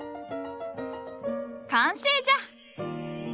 完成じゃ！